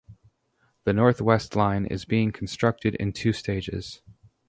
The North West Line is being constructed in two stages.